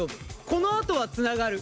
このあとはつながる。